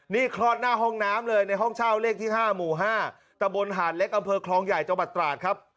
นี่คลอดหน้าห้องน้ำเลยในห้องเช่าเลขที่๕หมู่๕ตะบนหาดเล็กอำเภอคลองใหญ่จังหวัดตราดครับ